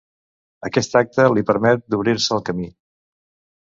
Aquest acte li permet d'obrir-se el camí.